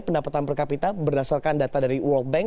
pendapatan per kapita berdasarkan data dari world bank